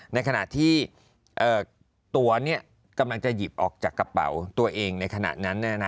ในขณะที่ตัวกำลังจะหยิบออกจากกระเป๋าตัวเองในขณะนั้น